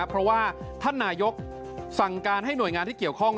เพราะว่าท่านนายกสั่งการให้หน่วยงานที่เกี่ยวข้อง